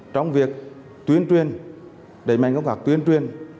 trong việc tuyên truyền đẩy mạnh công tác tuyên truyền